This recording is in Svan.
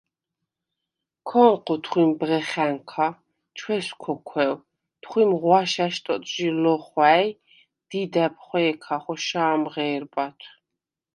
ქო̄ნჴუ თხვიმ ბღეხა̈ნქა, ჩვესჩოქვევ, თხვიმ ღვაშა̈შ ტოტჟი ლო̄ხვა̈ჲ, დიდა̈ბ ხვე̄ქა ხოშა̄მ ღე̄რბათვ.